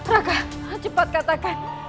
raka cepat katakan